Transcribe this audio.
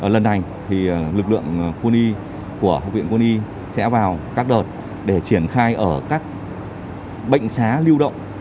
lần này thì lực lượng quân y của học viện quân y sẽ vào các đợt để triển khai ở các bệnh xá lưu động